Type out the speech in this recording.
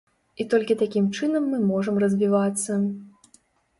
І толькі такім чынам мы можам развівацца.